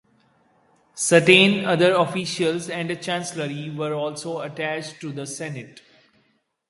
Certain other officials and a chancellery were also attached to the Senate.